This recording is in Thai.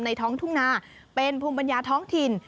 ท้องทุ่งนาเป็นภูมิปัญญาท้องถิ่น